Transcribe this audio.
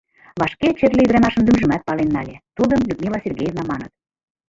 Вашке черле ӱдырамашын лӱмжымат пален нале: тудым Людмила Сергеевна маныт.